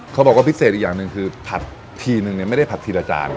เขาบอกว่าพิเศษอีกอย่างหนึ่งคือผัดทีนึงเนี่ยไม่ได้ผัดทีละจาน